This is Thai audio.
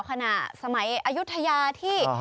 สมัยอายุทยาที่